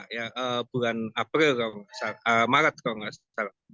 ya bulan april maret kalau nggak salah